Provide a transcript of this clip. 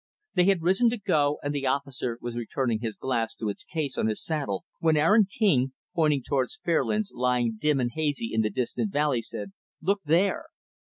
They had risen to go and the officer was returning his glass to its case on his saddle, when Aaron King pointing toward Fairlands, lying dim and hazy in the distant valley said, "Look there!"